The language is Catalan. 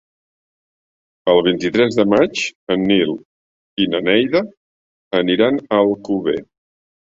El vint-i-tres de maig en Nil i na Neida aniran a Alcover.